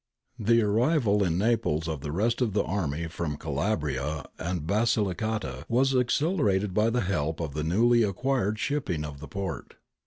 ^ The arrival in Naples of the rest of the army from Calabria and Basilicata was accelerated by the help of the newly acquired shipping of the port.